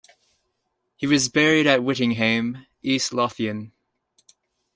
He was buried at Whittinghame, East Lothian.